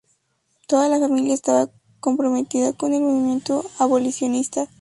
Toda la familia estaba comprometida con el movimiento abolicionista.